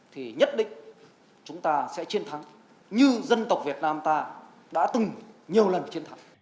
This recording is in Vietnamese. thì nhất định chúng ta sẽ chiến thắng như dân tộc việt nam ta đã từng nhiều lần chiến thắng